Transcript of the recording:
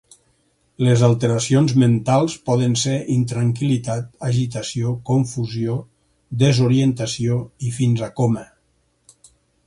Les alteracions mentals poden ser intranquil·litat, agitació, confusió, desorientació i fins a coma.